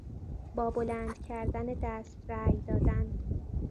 با بلند کردن دست رای دادن